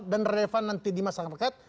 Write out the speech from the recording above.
dan relevan nanti di masyarakat